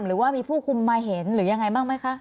หรือว่ามีผู้คุมมาเห็นหรือยังไงบ้างไหมคะ